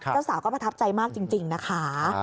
เจ้าสาวก็ประทับใจมากจริงนะคะ